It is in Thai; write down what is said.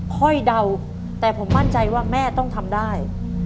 เดาแต่ผมมั่นใจว่าแม่ต้องทำได้